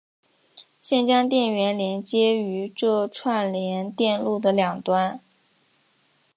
现将电源连接于这串联电路的两端。